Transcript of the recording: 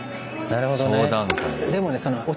なるほどね。